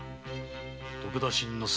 徳田新之助